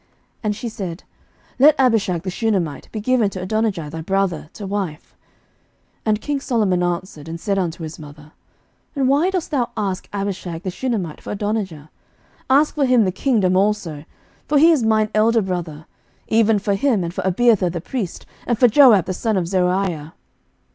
11:002:021 And she said, Let Abishag the Shunammite be given to Adonijah thy brother to wife. 11:002:022 And king Solomon answered and said unto his mother, And why dost thou ask Abishag the Shunammite for Adonijah? ask for him the kingdom also; for he is mine elder brother; even for him, and for Abiathar the priest, and for Joab the son of Zeruiah.